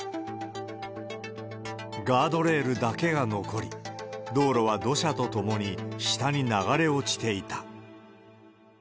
ガードレールだけが残り、道路は土砂と共に下に流れ落ちていた。